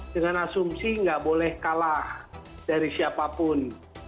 dengan asumsi nggak boleh kalah dari siapapun